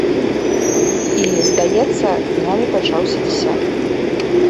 І, здаецца, днямі пачаўся дзясяты.